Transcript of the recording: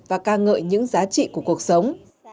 và ca ngợi những giá trị của cuộc sống